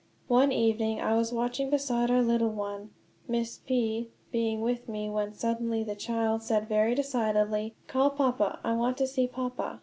One evening I was watching beside our little one, Miss P being with me, when suddenly the child said very decidedly: "Call Papa; I want to see Papa."